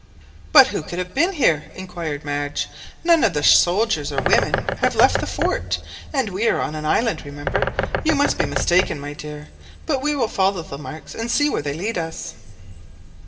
"But who could have been here?" inquired Madge; "none of the soldiers or women have left the fort, and we are on an island, remember. You must be mistaken, my dear; but we will follow the marks, and see where they lead us."